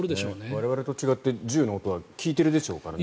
我々と違って銃の音は聞いているでしょうからね。